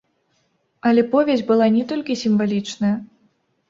Але повязь была не толькі сімвалічная.